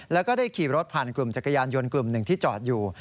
แล้วก็ได้ขี่รถผ่านกลุ่มจักรยานยนต์กลุ่มหนึ่งที่จอดอยู่